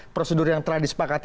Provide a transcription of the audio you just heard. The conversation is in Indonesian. prosedur yang telah disepakati